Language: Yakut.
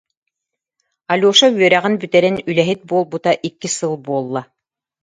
Алеша үөрэҕин бүтэрэн үлэһит буолбута икки сыл буолла